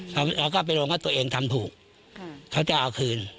เราก็ไปลงว่าตัวเองทำถูกเขาจะเอาคืน